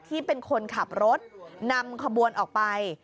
ที่เป็นคนขับรถนำขบวนออกไป